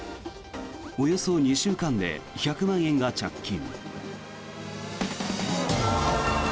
およそ２週間で１００万円が着金。